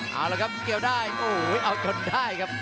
เอาละครับเกี่ยวได้โอ้โหเอาจนได้ครับ